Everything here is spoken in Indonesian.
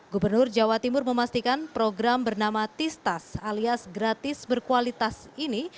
gubernur jawa timur memastikan program bernama tistas alias gratis berkualitas ini